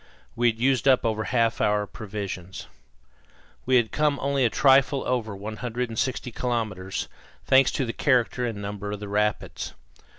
We had used up over half our provisions. We had come only a trifle over 160 kilometres, thanks to the character and number of the rapids.